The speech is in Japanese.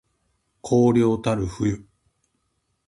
荒涼たる冬